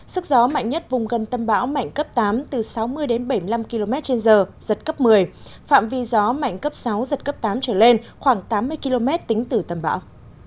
sức gió mạnh nhất vùng gần tâm bão mạnh cấp tám từ sáu mươi đến bảy mươi năm km trên giờ giật cấp một mươi phạm vi gió mạnh cấp sáu giật cấp tám trở lên khoảng tám mươi km tính từ tâm bão